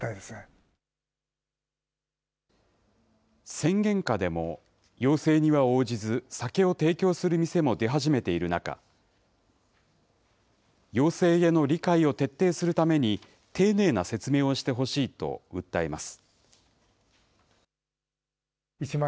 宣言下でも、要請には応じず、酒を提供する店も出始めている中、要請への理解を徹底するために、丁寧な説明をしてほしいと訴えます。